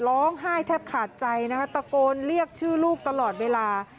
ร้องไห้แทบขาดใจนะคะตะโกนเรียกชื่อลูกตลอดเวลา